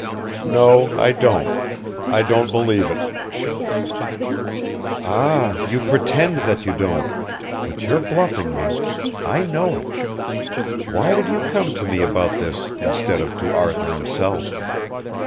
"No, I don't. I don't believe it." "Ah, you pretend that you don't! But you're bluffing me. I know it. Why did you come to me about this instead of to Arthur himself?